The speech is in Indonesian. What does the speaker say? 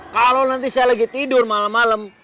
kalau nanti saya lagi tidur malam malam